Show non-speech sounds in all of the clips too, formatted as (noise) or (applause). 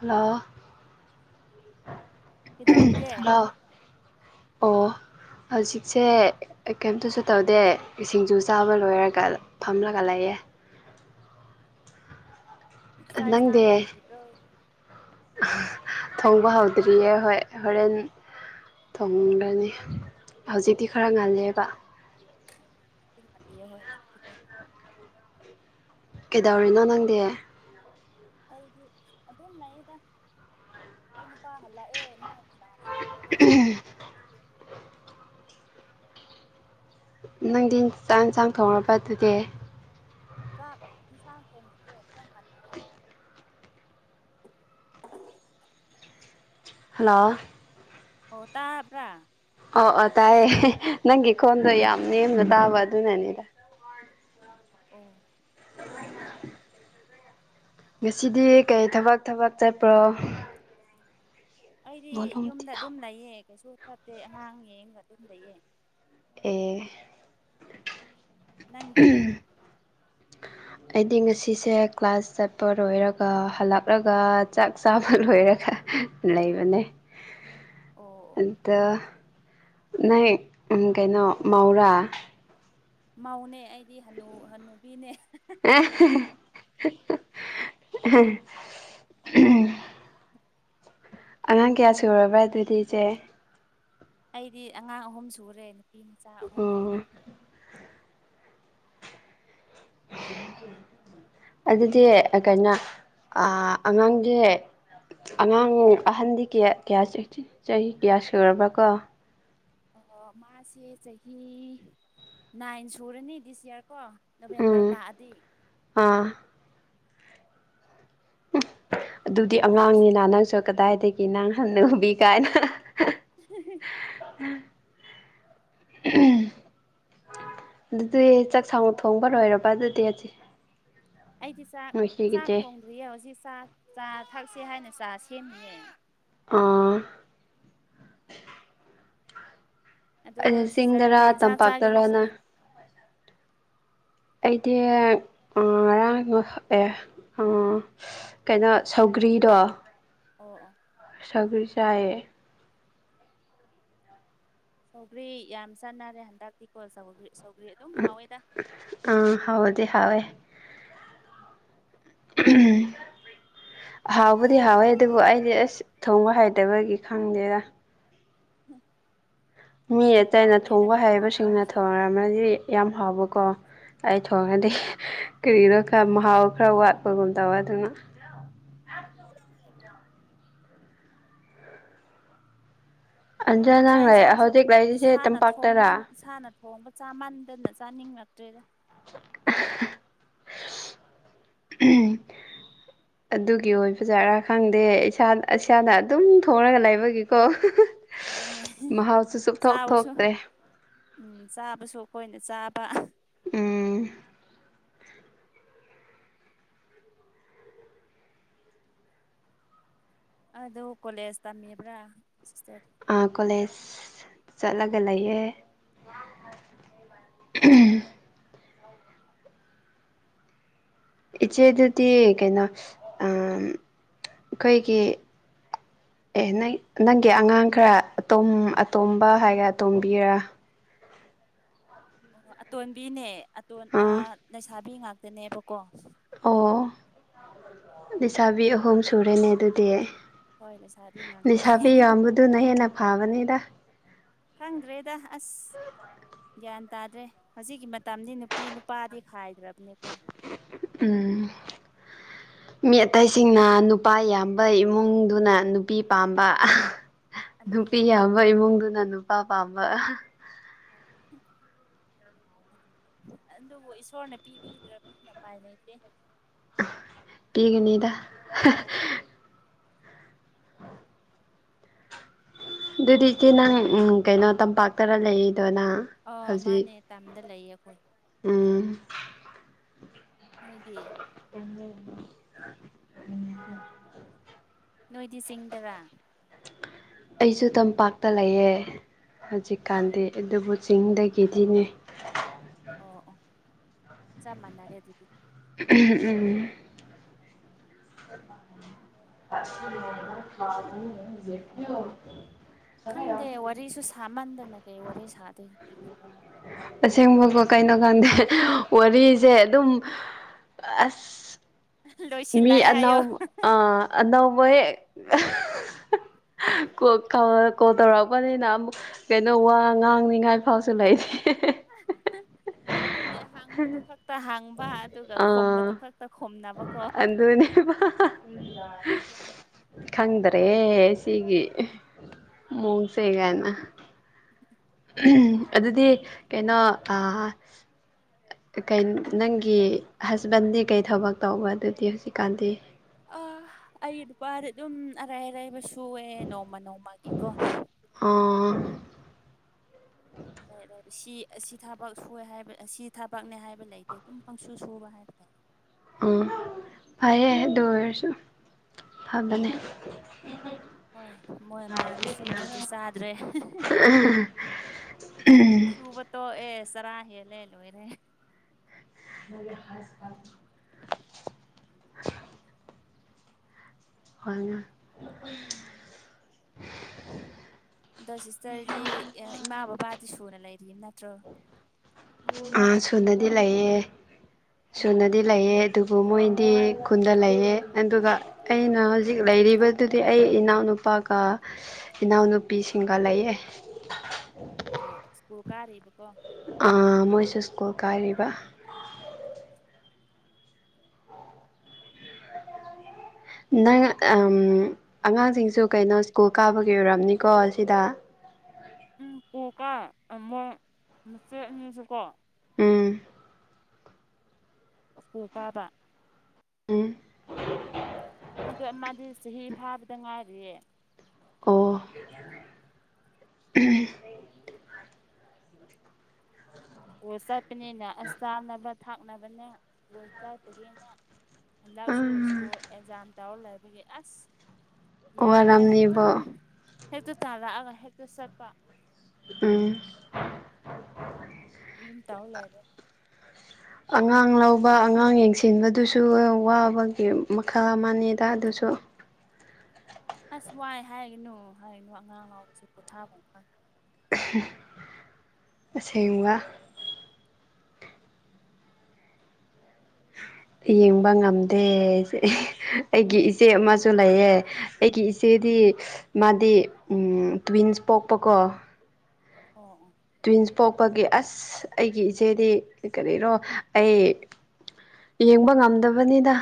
Hello ꯀꯤꯗꯧꯔꯤꯒꯦ hello ꯑꯣ ꯍꯧꯖꯤꯛꯁꯦ ꯑꯩ ꯀꯩꯝꯇꯁꯨ ꯇꯧꯗꯦ ꯁꯤꯡꯖꯨ ꯆꯥꯕ ꯂꯣꯏꯔꯒ ꯐꯝꯂꯒ ꯂꯩꯌꯦ ꯆꯥꯛ ꯑꯦꯟꯁꯥꯡ ꯅꯪꯗꯤ ꯍꯧꯗ꯭ꯔꯤꯕ꯭ꯔꯣ ꯊꯣꯡꯕ ꯍꯧꯗ꯭ꯔꯤꯌꯦ ꯍꯣꯏ ꯍꯣꯔꯦꯟ ꯊꯣꯡꯒꯅꯤ ꯍꯧꯖꯤꯛꯇꯤ ꯈꯔ ꯉꯜꯂꯦꯕ (unintelligible) ꯀꯩꯗꯧꯔꯤꯅꯣ ꯅꯪꯗꯤ? ꯑꯩꯗꯤ ꯑꯗꯨꯝ ꯂꯩꯗ ꯈꯣꯏ ꯅꯨꯄꯥ ꯍꯜꯂꯛꯑꯦ ꯃꯥꯢ (unintelligible) ꯅꯪꯗꯤ ꯆꯥꯛ ꯌꯦꯟꯁꯥꯡ ꯊꯣꯡꯔꯕ ꯑꯗꯨꯗꯤ? ꯆꯥꯛ ꯏꯁꯥꯡ ꯊꯣꯡꯗ꯭ꯔꯤꯌꯦ ꯈꯔ ꯉꯟꯂꯤꯌꯦ꯫ ꯍꯜꯂꯣ ꯑꯣ ꯇꯥꯕ꯭ꯔꯥ? ꯑꯣ ꯑꯣ ꯇꯥꯏꯌꯦ ꯅꯪꯒꯤ ꯈꯣꯟꯗꯣ ꯌꯥꯝ ꯅꯦꯝꯅ ꯇꯥꯕ ꯑꯗꯨꯅꯅꯤꯗ꯫ ꯑꯣ (unintelligible) ꯉꯁꯤꯗꯤ ꯀꯩ ꯊꯕꯛ ꯊꯕꯛ ꯆꯠꯄ꯭ꯔꯣ? ꯑꯩꯗꯤ ꯌꯨꯝꯗ ꯑꯗꯨꯝ ꯂꯩꯌꯦ ꯀꯩꯁꯨ ꯆꯠꯇꯦ ꯑꯉꯥꯡ ꯌꯦꯡꯉꯒ ꯑꯗꯨꯝ ꯂꯩꯌꯦ꯫ ꯑꯦ ꯅꯪꯗꯤ ꯑꯩꯗꯤ ꯉꯁꯤꯁꯦ ꯀ꯭ꯂꯥꯁ ꯆꯠꯄ ꯂꯣꯏꯔꯒ ꯍꯜꯂꯛꯔꯒ ꯆꯥꯛ ꯆꯥꯕ ꯂꯣꯏꯔꯒ ꯂꯩꯕꯅꯦ ꯑꯣ ꯑꯣ ꯑꯗꯥ ꯅꯩ ꯎꯝ ꯀꯩꯅꯣ ꯃꯧꯔꯥ ꯃꯥꯎꯅꯦ ꯑꯩꯗꯤ ꯍꯅꯨ ꯍꯅꯨꯕꯤꯅꯦ꯫ (unintelligible) ꯑꯉꯥꯡ ꯀ꯭ꯌꯥ ꯁꯨꯔꯕ꯭ꯔꯥ ꯑꯗꯨꯗꯤ ꯏꯆꯦ? ꯑꯩꯗꯤ ꯑꯉꯥꯡ ꯑꯍꯨꯝ ꯁꯨꯔꯦ ꯅꯨꯄꯤ ꯃꯆꯥ ꯑꯍꯨꯝ ꯎꯝ ꯂꯩꯔꯦ꯫ ꯑꯗꯨꯗꯤ ꯑ ꯀꯩꯅꯣ ꯑ ꯑꯉꯥꯡꯒꯤ ꯑꯉꯥꯡ ꯑꯍꯟꯗꯤ ꯀ꯭ꯌꯥ ꯀ꯭ꯌꯥ (unintelligible) ꯆꯍꯤ ꯀꯌꯥ ꯁꯨꯔꯕ꯭ꯔꯥ ꯀꯣ ꯑꯣ ꯃꯥꯁꯦ ꯆꯍꯤ ꯅꯥꯏꯟ ꯁꯨꯔꯅꯤ ꯗꯤꯁ ꯏꯌꯥꯔ ꯀꯣ ꯅꯣꯕꯦꯝꯕꯔ ꯂꯥꯛꯑꯗꯤ ꯑ ꯑꯗꯨꯗꯤ ꯅꯥꯏꯟ ꯑꯉꯥꯡꯅꯤꯅ ꯁꯨꯔꯅꯤ ꯅꯪꯁꯨ ꯀꯗꯥꯏꯗꯒꯤ ꯅꯪ ꯍꯟꯅꯨꯕꯤ ꯀꯥꯏꯅ (unintelligible) ꯑꯗꯨꯗꯤ ꯆꯥꯛ ꯁꯥꯡ ꯊꯣꯡꯕ ꯂꯣꯏꯔꯕ ꯑꯗꯨꯗꯤ ꯑꯗꯤ ꯑꯩꯗꯤ ꯆꯥꯛ ꯆꯥꯛ ꯊꯣꯡꯗ꯭ꯔꯤꯌꯦ ꯍꯧꯖꯤꯛ ꯆꯥ ꯆꯥ ꯊꯛꯁꯦ ꯍꯥꯏꯅ ꯆꯥ ꯁꯦꯝꯃꯤꯅꯦ꯫ ꯑꯥ ꯑꯗꯣ ꯑꯩꯅ ꯁꯤꯁꯇꯔꯗꯤ ꯆꯤꯡꯗꯔꯥ ꯀꯩ ꯏꯟꯁꯥꯡ ꯆꯥꯒꯦ ꯉꯁꯤ ꯇꯝꯄꯥꯛꯇꯔꯅ ꯑꯩꯗꯤ ꯑꯥ ꯉꯔꯥꯡ ꯉꯍ ꯑꯦ ꯑ ꯀꯩꯅꯣ ꯁꯧꯒ꯭ꯔꯤꯗꯣ ꯑꯣ ꯑꯣ ꯁꯧꯒ꯭ꯔꯤ ꯆꯥꯢꯌꯦ ꯁꯧꯒ꯭ꯔꯤ ꯌꯥꯝ ꯆꯥꯟꯅꯔꯦ ꯍꯟꯗꯛꯇꯤꯀꯣ ꯁꯧꯒ꯭ꯔꯤ ꯁꯧꯒ꯭ꯔꯤ ꯑꯗꯨꯝ ꯍꯥꯎꯋꯦꯗ꯫ ꯑꯥ ꯍꯥꯎꯗꯤ ꯍꯥꯎꯋꯦ ꯎꯝ ꯍꯥꯎꯕꯨꯗꯤ ꯍꯥꯎꯋꯦ ꯑꯗꯨꯕꯨ ꯑꯩꯗꯤ ꯑꯁ ꯊꯣꯡꯕ ꯍꯥꯏꯇꯕꯒꯤ ꯈꯪꯗꯦꯗ꯫ (unintelligible) ꯃꯤ ꯑꯗꯨꯝ ꯑꯇꯩꯅ ꯍꯥꯎꯕꯅꯦꯗ ꯊꯣꯡꯕ ꯄꯪꯊꯣꯡ ꯍꯩꯕꯁꯤꯡꯅ ꯊꯣꯡꯂꯁꯨ ꯍꯥꯎꯋꯦ ꯊꯧꯔꯝꯔꯗꯤ ꯌꯥꯝ ꯍꯥꯎꯕꯀꯣ꯫ ꯑꯩ ꯊꯣꯡꯉꯗꯤ ꯀꯔꯤꯅꯣ ꯈꯔ ꯃꯍꯥꯎ ꯈꯔ ꯋꯥꯠꯄꯒꯨꯝ ꯇꯧꯕ ꯑꯗꯨꯅ ꯑꯟꯖꯥ ꯆꯥꯛ ꯅꯪ ꯂꯩ ꯌꯦꯟꯁꯥꯡꯁꯨ ꯍꯧꯖꯤꯛ ꯂꯩꯔꯤꯁꯦ ꯏꯁꯥꯅ ꯇꯝꯄꯥꯛꯇꯔꯥ ꯊꯣꯡꯃꯟ ꯏꯁꯥꯅ ꯊꯣꯡꯕ ꯆꯥꯃꯟꯗꯅ ꯆꯥꯅꯤꯡꯉꯛꯇ꯭ꯔꯦꯗ꯫ (unintelligible) ꯑꯗꯨꯒꯤ ꯑꯣꯏꯕ ꯖꯥꯔꯥ ꯈꯪꯗꯦ ꯏꯁꯥ ꯏꯁꯥꯗ ꯑꯗꯨꯝ ꯊꯣꯡꯉꯒ ꯂꯩꯕꯒꯤꯀꯣ ꯑꯗꯨꯅꯦ ꯃꯍꯥꯎꯁꯨ ꯁꯨꯞꯊꯣꯛ ꯆꯥꯕꯁꯨ ꯊꯣꯛꯇ꯭ꯔꯦ ꯎꯝ ꯆꯥꯕꯁꯨ ꯑꯩꯈꯣꯏꯅ ꯆꯥꯕ ꯎꯝ ꯑꯗꯨ ꯀꯣꯂꯦꯖ ꯇꯝꯃꯤꯕ꯭ꯔꯥ ꯁꯤꯁꯇꯔ ꯑ ꯀꯣꯂꯦꯖ ꯆꯠꯂꯒ ꯂꯩꯌꯦ (unintelligible) ꯏꯆꯦꯗꯨꯗꯤ ꯀꯩꯅꯣ ꯑꯝ ꯑꯩꯈꯣꯏꯒꯤ ꯑꯦ ꯅꯪ ꯅꯪꯒꯤ ꯑꯉꯥꯡ ꯈꯔ ꯑꯇꯣꯝ ꯑꯇꯣꯝꯕ ꯍꯥꯏꯒ ꯑꯇꯣꯝꯕꯤꯔꯥ ꯑꯣ ꯑꯇꯣꯟꯕꯤꯅꯦ ꯑꯇꯣꯟ ꯑ ꯑꯥ ꯂꯩꯁꯥꯕꯤ ꯉꯥꯛꯇꯅꯦꯕꯀꯣ ꯑꯣ ꯂꯩꯁꯥꯕꯤ ꯑꯍꯨꯝ ꯁꯨꯔꯦꯅꯦ ꯑꯗꯨꯗꯤ ꯍꯣꯏ ꯂꯩꯁꯥꯕꯤ ꯉꯥꯛꯇꯅꯦ ꯂꯩꯁꯥꯕꯤ ꯌꯥꯝꯕꯗꯨꯅ ꯍꯦꯟꯅ ꯐꯥꯕꯅꯤꯗ ꯈꯪꯗ꯭ꯔꯦꯗ ꯑꯁ ꯒ꯭ꯌꯥꯟ ꯇꯥꯗ꯭ꯔꯦ ꯍꯧꯖꯤꯛꯀꯤ ꯃꯇꯝꯗꯤ ꯅꯨꯄꯤ ꯅꯨꯄꯥꯗꯤ ꯈꯥꯏꯗ꯭ꯔꯕꯅꯤꯀꯣ ꯎꯝ ꯃꯤ ꯑꯇꯩꯁꯤꯡꯅ ꯅꯨꯄꯥ ꯌꯥꯝꯕ ꯏꯃꯨꯡꯗꯨꯅ ꯅꯨꯄꯤ ꯄꯥꯝꯕ ꯑꯗꯨꯅꯦ ꯅꯨꯄꯤ ꯌꯥꯝꯕ ꯏꯃꯨꯡꯗꯨꯅ ꯅꯨꯄꯥ ꯄꯥꯝꯕ (unintelligible) ꯑꯗꯨꯕꯨ ꯏꯁꯣꯔꯅ ꯄꯤꯕꯤꯗ꯭ꯔꯕꯅꯤꯅ ꯎꯄꯥꯏ ꯂꯩꯇꯦ ꯄꯤꯒꯅꯤꯗ ꯑꯗꯨꯗꯤ ꯏꯆꯦ ꯅꯪ ꯎꯝ꯫ ꯀꯩꯅꯣ ꯇꯝꯄꯥꯛꯇꯔ ꯂꯩꯔꯤꯗꯣꯅ ꯑꯣ ꯃꯥꯅꯦ ꯇꯝꯗ ꯂꯩꯌꯦ ꯑꯩꯈꯣꯏ ꯎꯝ ꯅꯣꯏꯗꯤ (unintelligible) ꯅꯣꯏꯗꯤ ꯆꯤꯡꯗꯔꯥ ꯑꯩꯁꯨ ꯇꯝꯄꯥꯛꯇ ꯂꯩꯌꯦ ꯑꯣ ꯍꯧꯖꯤꯛꯀꯥꯟꯗꯤ ꯑꯗꯨꯕꯨ ꯆꯤꯡꯗꯒꯤꯗꯤꯅꯦ ꯑꯣ ꯑꯣ ꯆꯞ ꯃꯥꯟꯅꯔꯦ ꯑꯗꯨꯗꯤ ꯎꯝ (unintelligible) (unintelligible) ꯈꯪꯗꯦ ꯋꯥꯔꯤꯁꯨ ꯁꯥꯃꯟꯗꯅ ꯀꯩ ꯋꯥꯔꯤ ꯁꯥꯗꯣꯏꯅꯣ ꯑꯁꯦꯡꯕꯀꯣ ꯀꯩꯅꯣ ꯈꯪꯗꯦ ꯋꯥꯔꯤꯁꯦ ꯑꯗꯨꯝ ꯑꯁ ꯃꯤ ꯂꯣꯏꯁꯤꯜꯂꯛꯑꯦ ꯍꯥꯏꯌꯣ ꯑꯅꯧ ꯑ ꯑꯅꯧꯕ ꯍꯦꯛ ꯀꯣꯜ ꯀ ꯀꯣꯜ ꯇꯧꯔꯛꯄꯅꯤꯅ ꯑꯃꯨꯛ ꯀꯩꯅꯣ ꯋꯥ ꯉꯥꯡꯅꯤꯉꯥꯏ ꯐꯥꯎꯁꯨ ꯂꯩꯇꯦ ꯑꯗꯨꯅꯦ ꯍꯥꯡꯕꯗꯨ ꯈꯛꯇ ꯍꯥꯡꯕ ꯑꯗꯨꯒ ꯈꯣꯝꯕꯗꯨ ꯑꯥ ꯈꯛꯇ ꯇ ꯈꯣꯝꯅꯕ ꯀꯣ ꯑꯗꯨꯅꯦꯕ ꯒ꯭ꯌꯥꯟ ꯇꯥ ꯈꯪꯗ ꯔꯦ ꯁꯤꯒꯤ ꯃꯣꯡꯁꯤꯒꯥꯏꯅ (unintelligible) ꯑꯗꯨꯗꯤ ꯀꯩꯅꯣ ꯑꯥ ꯅꯪꯒꯤ ꯍꯁꯕꯦꯟꯗꯤ ꯀꯩ ꯊꯕꯛ ꯇꯧꯕ ꯑꯗꯨꯗꯤ ꯍꯧꯖꯤꯛꯀꯥꯟꯗꯤ ꯑ ꯑꯩꯒꯤ ꯅꯨꯄꯥꯗꯤ ꯑꯗꯨꯝ ꯑꯔꯥꯏ ꯑꯔꯥꯏꯕ ꯁꯨꯑꯦ ꯅꯣꯡꯃ ꯅꯣꯡꯃꯒꯤꯀꯣ ꯑꯥ (unintelligible) ꯁꯤ ꯑꯁꯤ ꯊꯕꯛ ꯁꯨꯌꯦ ꯍꯥꯏꯕ ꯑꯁꯤ ꯊꯕꯛꯅꯦ ꯍꯥꯏꯕ ꯂꯩꯇꯦ ꯑꯗꯨꯝ ꯄꯪꯁꯨ ꯁꯨꯕ ꯍꯥꯏꯕ ꯇꯥꯏ ꯑꯝ ꯐꯩꯌꯦ ꯑꯗꯨ ꯑꯣꯏꯔꯁꯨ ꯐꯕꯅꯦ ꯍꯣꯏ ꯃꯣꯏ ꯃꯥꯅ ꯁꯨꯗ꯭ꯔꯗꯤ ꯆꯥꯗ꯭ꯔꯦ ꯁꯨꯕ ꯇꯣꯛꯑꯦ ꯆꯔꯥ ꯍꯦꯜꯂꯦ ꯂꯣꯏꯔꯦ (unintelligible) ꯍꯣꯏꯅ ꯑꯗꯣ ꯁꯤꯁꯇ꯭ꯔꯗꯤ ꯏꯃꯥ ꯕꯕꯥꯗꯤ ꯁꯨꯅ ꯂꯩꯔꯤꯝ ꯅꯠꯇ꯭ꯔꯣ ꯎꯝ ꯁꯨꯅꯗꯤ ꯂꯩꯌꯦ ꯁꯨꯅꯗꯤ ꯂꯩꯌꯦ ꯑꯗꯨꯕꯨ ꯃꯣꯏꯗꯤ ꯈꯨꯟꯗ ꯂꯩꯌꯦ ꯑꯗꯨꯒ ꯑꯩꯅ ꯍꯧꯖꯤꯛ ꯂꯩꯔꯤꯕꯗꯨꯗꯤ ꯑꯩ ꯏꯅꯥꯎꯅꯨꯄꯥꯒ ꯏꯅꯥꯎꯅꯨꯄꯤꯁꯤꯡꯒ ꯂꯩꯌꯦ ꯑꯣ ꯑꯣ ꯁ꯭ꯀꯨꯜ ꯀꯥꯔꯤꯕꯀꯣ ꯑ ꯃꯣꯏꯁꯨ ꯁ꯭ꯀꯨꯜ ꯀꯥꯔꯤꯕ ꯅꯪ ꯎꯝ ꯑꯉꯥꯡꯁꯤꯡꯁꯨ ꯀꯩꯅꯣ ꯁ꯭ꯀꯨꯜ ꯀꯥꯕꯒꯤ ꯑꯣꯏꯔꯝꯅꯤꯀꯣ ꯁꯤꯗ ꯎꯝ ꯄꯨꯛ ꯕꯥꯏ ꯃꯣꯏ ꯃꯆꯦ ꯑꯅꯤꯁꯨꯀꯣ ꯎꯝ ꯁ꯭ꯀꯨꯜ ꯀꯥꯕ ꯎꯝ ꯑꯗꯣ ꯑꯃꯥꯗꯤ ꯆꯍꯤ ꯐꯥꯕꯗ ꯉꯥꯏꯔꯤꯌꯦ ꯑꯣ ꯑꯣ ꯆꯠꯄꯅꯤꯅ ꯑꯁ ꯆꯥꯅꯕ ꯊꯥꯛꯅꯕꯅꯦ ꯑꯣ ꯆꯠꯄꯒꯤꯅ ꯍꯟꯗꯛꯁꯨ ꯑꯥ ꯁ꯭ꯀꯨꯜ ꯑꯦꯛꯖꯥꯝ ꯇꯧꯔ ꯂꯩꯕꯒꯤ ꯑꯁ ꯌꯥꯗꯦ ꯑꯗꯨꯝ ꯋꯥꯔꯝꯅꯤꯕꯣ ꯍꯦꯛꯇ ꯇꯥꯂꯛꯑꯒ ꯍꯦꯛꯇ ꯆꯠꯄ ꯎꯝ ꯗꯨꯝ ꯇꯧ ꯂꯩꯔꯦ ꯑꯉꯥꯡ ꯂꯧꯕ ꯑꯉꯥꯡ ꯌꯦꯡꯁꯤꯟꯕꯗꯨꯁꯨ ꯋꯥꯕꯒꯤ ꯃꯈꯜ ꯑꯃꯅꯦꯗ ꯑꯗꯨꯁꯨ ꯑꯁ ꯋꯥꯏ ꯍꯥꯏꯒꯅꯨ ꯍꯥꯏꯅꯨ ꯑꯉꯥꯡ ꯂꯥꯎꯕꯁꯦ ꯄꯣꯊꯥꯐꯝ ꯈꯪꯉꯦ ꯑꯁꯦꯡꯕ ꯌꯦꯡꯕ ꯉꯝꯗꯦ ꯑꯩꯒꯤ ꯏꯆꯦ ꯑꯃꯁꯨ ꯂꯩꯌꯦ ꯑꯩꯒꯤ ꯏꯆꯦ ꯑꯃꯁꯨ ꯂꯩꯌꯦ ꯃꯥꯗꯤ ꯎꯝ ꯇ꯭ꯋꯤꯟꯁ ꯄꯣꯛꯄꯀꯣ ꯑꯣ ꯑꯣ ꯇ꯭ꯋꯤꯟꯁ ꯄꯣꯛꯄꯒꯤ ꯑꯁ ꯑꯩꯒꯤ ꯏꯆꯦꯗꯤ ꯀꯔꯤꯔꯣ ꯑꯩ ꯌꯦꯡꯕ ꯉꯝꯗꯕꯅꯤꯗ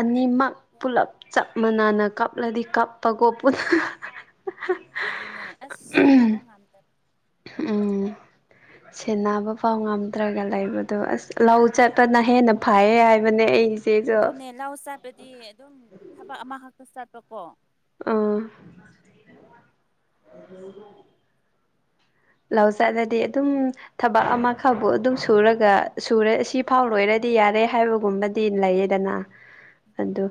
ꯑꯅꯤꯃꯛ ꯄꯨꯂꯞ ꯆꯞ ꯃꯥꯟꯅꯅ ꯀꯞꯂꯗꯤ ꯀꯞꯄꯀꯣ ꯄꯨꯟꯅ ꯑꯗꯨꯅꯦ ꯑꯁ ꯁꯦꯟꯅꯕ ꯉꯝꯗꯕ ꯎꯝ ꯁꯦꯟꯅꯕ ꯐꯥꯎ ꯉꯝꯗ꯭ꯔꯒ ꯂꯩꯕꯗꯣ ꯑꯁ ꯂꯧ ꯆꯠꯄꯅ ꯍꯦꯟꯅ ꯐꯩꯌꯦ ꯍꯥꯏꯕꯅꯦ ꯑꯩ ꯏꯆꯦꯁꯨ ꯑꯗꯨꯅꯦ ꯂꯧ ꯆꯠꯄꯗꯤ ꯑꯗꯨꯝ ꯊꯕꯛ ꯑꯃꯈꯛꯇ ꯆꯠꯄꯀꯣ ꯑꯥ (inaudible) ꯂꯧ ꯆꯠꯂꯗꯤ ꯑꯗꯨꯝ ꯊꯕꯛ ꯑꯃꯈꯕꯨ ꯑꯗꯨꯝ ꯁꯨꯔꯒ ꯁꯨꯔꯦ ꯁꯤ ꯐꯥꯎ ꯂꯣꯏꯔꯗꯤ ꯌꯥꯔꯦ ꯍꯥꯏꯕꯒꯨꯝꯕ ꯇꯤꯟ ꯂꯩꯌꯦꯗꯅ ꯑꯗꯨ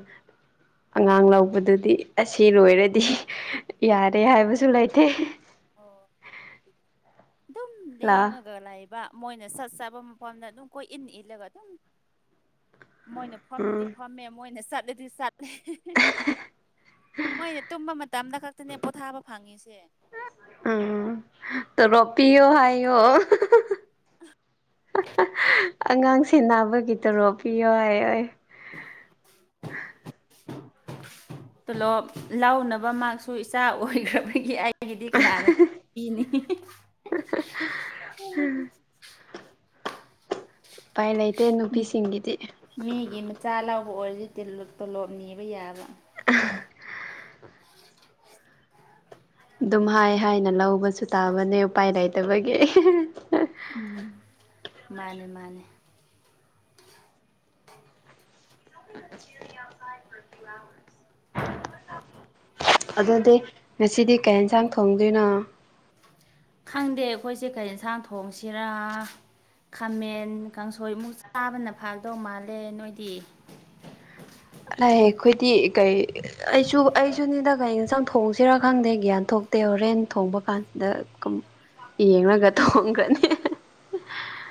ꯑꯉꯥꯡ ꯂꯧꯕꯗꯨꯗꯤ ꯑꯁꯤ ꯂꯣꯏꯔꯗꯤ ꯌꯥꯔꯦ ꯍꯥꯏꯕꯁꯨ ꯂꯩꯇꯦ ꯑꯣ ꯃꯥꯅꯦ ꯑꯗꯨꯝ ꯂꯥ ꯂꯦꯡꯉꯒ ꯂꯩꯕ ꯃꯣꯏꯅ ꯁꯠ ꯆꯥꯕ ꯃꯐꯝꯗ ꯑꯗꯨꯝ ꯀꯣꯏ ꯏꯟ ꯏꯜꯂꯒ ꯗꯨꯝ ꯃꯣꯏꯅ ꯐꯝꯂꯗꯤ ꯎꯝ ꯐꯝꯃꯦ ꯃꯣꯏꯅ ꯆꯠꯂꯗꯤ ꯆꯠ ꯃꯣꯏꯅ ꯇꯨꯝꯕ ꯃꯇꯝꯗ ꯈꯛꯇꯅꯦ ꯄꯣꯊꯥꯕ ꯐꯪꯉꯤꯁꯦ ꯎꯝ ꯇꯣꯔꯣꯞ ꯄꯤꯌꯣ ꯍꯥꯏꯌꯣ ꯑꯉꯥꯡ ꯁꯦꯟꯅꯥꯕꯒꯤ ꯇꯔꯣꯞ ꯄꯤꯌꯣ ꯍꯥꯏꯌꯣꯏ (inaudible) ꯇꯣꯂꯣꯞ ꯂꯧꯅꯕ ꯃꯥꯁꯨ ꯏꯆꯥ ꯑꯣꯏꯈ꯭ꯔꯕꯒꯤ ꯑꯩ ꯑꯩꯒꯤꯗꯤ ꯀꯅꯥꯅ ꯄꯤꯅꯤ ꯎꯄꯥꯏ ꯂꯩꯇꯦ ꯅꯨꯄꯤꯁꯤꯡꯒꯤꯗꯤ ꯃꯤꯒꯤ ꯃꯆꯥ ꯂꯧꯕ ꯑꯣꯏꯔꯗꯤ ꯇꯣꯂꯣꯞ ꯅꯤꯕ ꯌꯥꯕ (unintelligible) ꯑꯗꯨꯝ ꯍꯥꯏ ꯍꯥꯏꯅ ꯂꯧꯕꯁꯨ ꯇꯥꯕꯅꯦ ꯎꯄꯥꯏ ꯂꯩꯇꯕꯒꯤ ꯎꯝ ꯃꯥꯅꯦ ꯃꯥꯅꯦ (unintelligible) (unintelligible) ꯑꯗꯨꯗꯤ ꯉꯁꯤꯗꯤ ꯀꯩ ꯌꯦꯟꯁꯥꯡ ꯊꯣꯡꯗꯣꯏꯅꯣ ꯈꯪꯗꯦ ꯑꯩꯈꯣꯏꯁꯦ ꯀꯩ ꯌꯦꯟꯁꯥꯡ ꯊꯣꯡꯁꯤꯔꯥ ꯈꯥꯃꯦꯟ ꯀꯥꯡꯁꯣꯏ ꯑꯃꯨꯛ ꯆꯥꯕꯅ ꯐꯥꯒꯗꯧ ꯃꯥꯜꯂꯦ ꯅꯣꯏꯗꯤ ꯂꯥꯛꯑꯦ ꯑꯩꯈꯣꯏꯗꯤ ꯀꯩ ꯑꯩꯁꯨ ꯑꯩꯁꯨꯅꯤꯗ ꯀꯩ ꯌꯦꯟꯁꯥꯡ ꯊꯣꯡꯁꯤꯔꯥ ꯈꯪꯗꯦ ꯒ꯭ꯌꯥꯟ ꯊꯣꯛꯇꯦ ꯍꯣꯔꯦꯟ ꯊꯣꯡꯕ ꯀꯥꯟꯗ ꯀꯝ ꯌꯦꯡꯂꯒ ꯊꯣꯡꯈ꯭ꯔꯅꯤ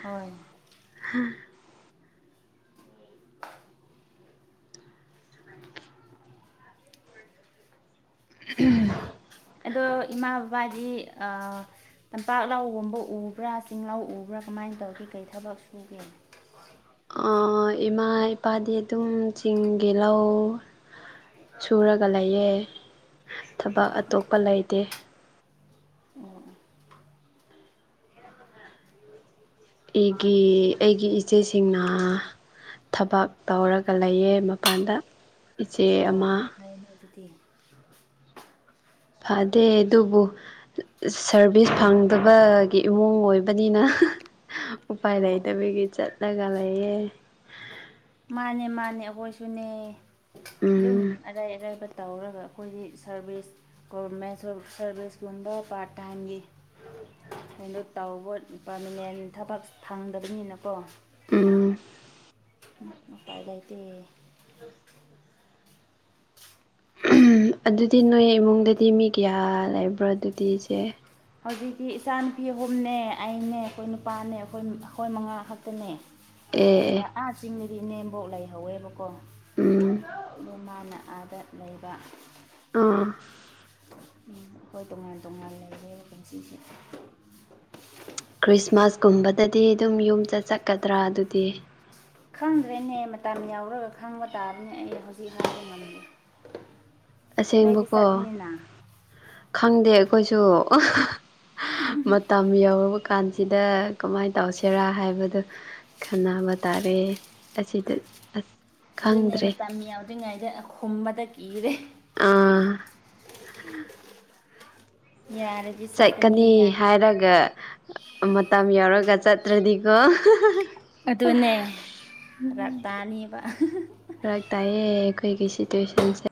ꯍꯣꯏ ꯍ (inaudible) ꯎꯝ ꯑꯗꯣ ꯏꯃꯥ ꯕꯕꯥꯗꯤ ꯑ ꯇꯝꯄꯥꯛ ꯂꯥꯎꯒꯨꯝꯕ ꯎꯕ꯭ꯔꯥ ꯆꯤꯡ ꯂꯥꯎ ꯎꯕ꯭ꯔꯥ ꯀꯃꯥꯏꯅ ꯇꯧꯒꯦ ꯀꯩ ꯊꯕꯛ ꯁꯨꯒꯦ ꯑꯥ ꯏꯃꯥ ꯏꯄꯥꯗꯤ ꯑꯗꯨꯝ ꯆꯤꯡꯒꯤ ꯂꯧ ꯁꯨꯔꯒ ꯂꯩꯌꯦ ꯊꯕꯛ ꯑꯣ ꯑꯣ ꯑꯇꯣꯞꯄ ꯂꯩꯇꯦ ꯑꯣꯑꯣ ꯑꯩꯒꯤ ꯑꯩꯒꯤ ꯏꯆꯦꯁꯤꯡꯅ ꯊꯕꯛ ꯇꯧꯔꯒ ꯂꯩꯌꯦ ꯃꯄꯥꯟꯗ ꯏꯆꯦ ꯑꯣ ꯑꯃ ꯐꯩꯅꯦ ꯑꯗꯨꯗꯤ ꯐꯗꯦ ꯑꯗꯨꯕꯨ ꯁꯔꯚꯤꯁ ꯐꯪꯗꯕꯒꯤ ꯏꯃꯨꯡ ꯑꯣꯏꯕꯅꯤꯅ ꯎꯄꯥꯏ ꯑꯣ ꯂꯩꯇꯕꯤꯒꯤ ꯆꯠꯂꯒ ꯂꯩꯌꯦ ꯃꯥꯅꯦ ꯃꯥꯅꯦ ꯑꯩꯈꯣꯏꯁꯨꯅꯦ ꯑꯗꯨꯝ ꯎꯝ ꯑꯔꯩ ꯑꯔꯩꯕꯗ ꯇꯧꯔꯒ ꯑꯩꯈꯣꯏꯒꯤ ꯁꯥꯔꯚꯤꯁ ꯒꯣꯔꯚꯔꯃꯦꯟ ꯁꯥꯔꯚꯤꯁꯀꯨꯝꯕ ꯄꯥꯔꯠ ꯇꯥꯏꯝꯒꯤ ꯀꯩꯅꯣ ꯇꯧꯕ ꯄꯥꯔꯃꯤꯅꯦꯟ ꯊꯕꯛ ꯐꯪꯗꯕꯅꯤꯅꯀꯣ ꯎꯝ ꯅ ꯎꯄꯥꯏ ꯂꯩꯇꯦ ꯑꯗꯨꯗꯤ ꯅꯣꯏ ꯏꯃꯨꯡꯗꯗꯤ ꯃꯤ ꯀꯌꯥ ꯂꯩꯕ꯭ꯔꯣ ꯑꯗꯨꯗꯤ ꯏꯆꯦ ꯍꯧꯖꯤꯛꯇꯤ ꯏꯆꯥ ꯅꯨꯨꯄꯤ ꯑꯍꯨꯝꯅꯦ ꯑꯩꯅꯦ ꯑꯩꯈꯣꯏ ꯅꯨꯄꯥꯅꯦ ꯑꯩꯈꯣꯏ ꯑꯩꯈꯣꯏ ꯃꯉꯥ ꯈꯛꯇꯅꯦ ꯑꯦ ꯑꯦ ꯍꯥꯏꯕ ꯑꯥ ꯆꯤꯡꯗꯗꯤ ꯏꯅꯦꯝꯕꯣꯛ ꯂꯩꯍꯧꯋꯦꯕꯀꯣ ꯎꯝ ꯑꯗꯣ ꯃꯥꯅ ꯑꯗ ꯂꯩꯕ ꯑ ꯎꯝ ꯑꯩꯈꯣꯏ ꯇꯣꯉꯥꯟ ꯇꯣꯉꯥꯟ ꯂꯩꯔꯦ ꯀꯨꯝꯁꯤꯁꯦ ꯈ꯭ꯔꯤꯁꯃꯥꯁꯀꯨꯝꯕꯗꯗꯤ ꯑꯗꯨꯝ ꯌꯨꯝꯗ ꯆꯠꯀꯗ꯭ꯔꯥ ꯑꯗꯨꯗꯤ ꯈꯪꯗ꯭ꯔꯦꯅꯦ ꯃꯇꯝ ꯌꯥꯎꯔꯒ ꯈꯪꯕ ꯇꯥꯔꯦꯅꯦ ꯑꯩ ꯍꯧꯖꯤꯛ ꯍꯥꯏꯕ ꯉꯝꯗꯦ ꯅꯣꯏꯗꯤ ꯑꯁꯦꯡꯕꯀꯣ ꯆꯠꯅꯤꯅ ꯈꯪꯗꯦ ꯑꯩꯈꯣꯏꯁꯨ ꯃꯇꯝ ꯌꯧꯔꯕ ꯀꯥꯟꯁꯤꯗ ꯀꯃꯥꯏꯅ ꯇꯧꯁꯤꯔꯥ ꯍꯥꯏꯕꯗꯣ ꯈꯟꯅꯕ ꯇꯥꯔꯦ ꯑꯁꯤꯗ ꯑꯁ ꯑꯗꯨꯅꯦ ꯈꯪꯗ꯭ꯔꯦ ꯃꯇꯝ ꯌꯥꯎꯗ꯭ꯔꯤꯉꯩꯗ ꯈꯨꯝꯕꯗ ꯀꯤꯔꯦ ꯑꯥ ꯎꯝ (inaudible) ꯆꯠꯀꯅꯤ ꯍꯥꯏꯔꯒ ꯃꯇꯝ ꯌꯥꯎꯔꯒ ꯆꯠꯇ꯭ꯔꯗꯤꯀꯣ ꯑꯗꯨꯅꯦ ꯐꯔꯛ ꯇꯥꯅꯤꯕ ꯐꯔꯛ ꯇꯥꯏꯌꯦ ꯑꯩꯈꯣꯏꯒꯤ ꯁꯤꯇꯨꯋꯦꯁꯟꯁꯦ